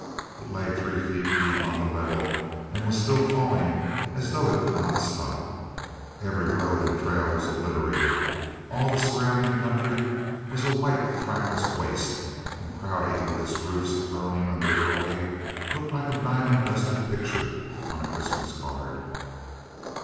It lay three feet deep on the level and was still falling as though it could not stop. Every road and trail was obliterated. All the surrounding country was a white trackless waste and Prouty with its roofs groaning under their weight looked like a diamond dusted picture on a Christmas card.